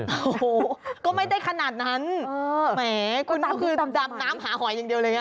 โอ้โหก็ไม่ได้ขนาดนั้นแหมคุณน้ำคือดำน้ำหาหอยอย่างเดียวเลยไง